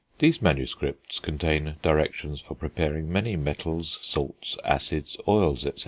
These MSS. contain directions for preparing many metals, salts, acids, oils, etc.